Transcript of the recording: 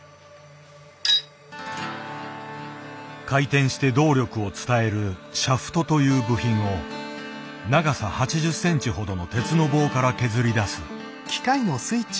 回転して動力を伝える「シャフト」という部品を長さ８０センチほどの鉄の棒から削り出す。